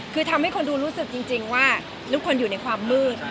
คือทำให้คนดูรู้สึกจริงว่าทุกคนอยู่ในความมืด